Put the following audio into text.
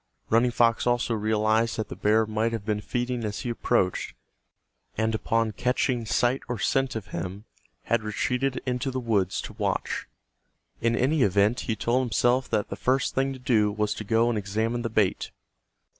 Running Fox also realized that the bear might have been feeding as he approached, and upon catching sight or scent of him had retreated into the woods to watch. In any event he told himself that the first thing to do was to go and examine the bait.